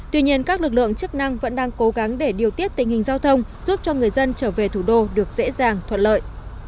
tuy nhiên các lực lượng chức năng vẫn đang cố gắng để điều tiết tình hình giao thông giúp cho người dân trở về thủ đô được dễ dàng thuận lợi